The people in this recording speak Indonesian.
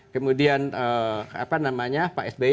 kemudian apa namanya pak sby